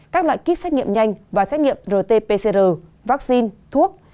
các loại kit xét nghiệm nhanh và xét nghiệm rt pcr vaccine thuốc